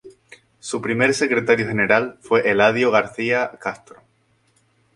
Su primer secretario general fue Eladio García Castro.